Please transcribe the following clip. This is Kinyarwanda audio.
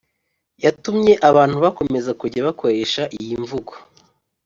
yatumye abantu bakomeza kujya bakoresha iyi mvugo